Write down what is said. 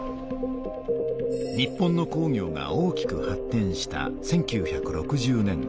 日本の工業が大きく発てんした１９６０年代。